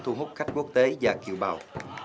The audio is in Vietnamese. thu hút khách quốc tế và kiều bào